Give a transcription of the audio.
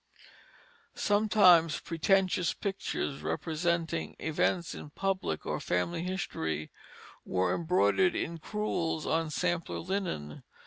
Sometimes pretentious pictures representing events in public or family history, were embroidered in crewels on sampler linen.